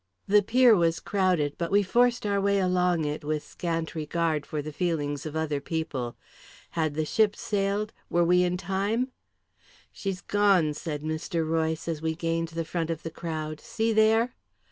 The pier was crowded, but we forced our way along it with scant regard for the feelings of other people. Had the ship sailed were we in time "She's gone," said Mr. Royce, as we gained the front of the crowd. "See there."